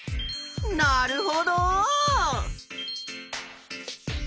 なるほど！